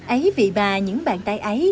ấy vì bà những bàn tay ấy